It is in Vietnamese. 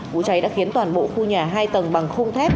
vụ cháy đã khiến toàn bộ khu nhà hai tầng bằng khung thép